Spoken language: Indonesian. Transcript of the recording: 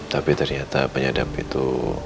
tapi ternyata penyadap itu